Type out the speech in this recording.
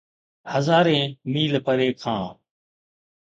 هزارين ميل پري کان.